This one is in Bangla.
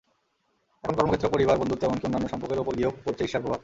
এখন কর্মক্ষেত্র, পরিবার, বন্ধুত্ব, এমনকি অন্যান্য সম্পর্কের ওপর গিয়েও পড়ছে ঈর্ষার প্রভাব।